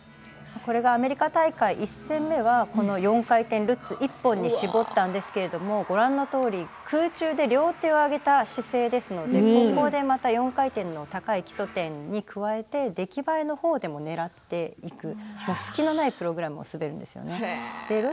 アメリカ大会１戦目は４回転ルッツ１本に絞ったんですけれどもご覧のように空中で両手を上げた姿勢ですので、ここでまた４回転の高い基礎点に加えて出来栄えでもねらっていく隙のないプログラムを滑るんですよね。